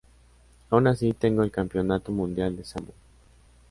Aun así, tengo el campeonato mundial de sambo.